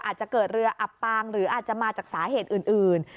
อาจจะเกิดเรืออับปางหรืออาจจะมาจากสาเหตุอื่น